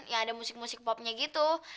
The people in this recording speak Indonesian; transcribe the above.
yang ada musik musik popnya gitu